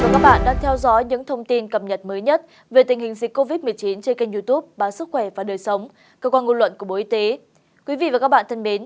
các bạn đang theo dõi những thông tin cập nhật mới nhất về tình hình dịch covid một mươi chín trên kênh youtube báo sức khỏe và đời sống cơ quan ngôn luận của bộ y tế